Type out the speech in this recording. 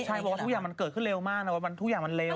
ใช่เพราะว่าทุกอย่างมันเกิดขึ้นเร็วมากนะทุกอย่างมันเร็ว